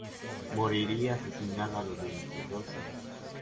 Moriría asesinada a los veintidós años.